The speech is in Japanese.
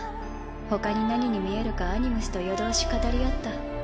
ほかに何に見えるかアニムスと夜通し語り合った。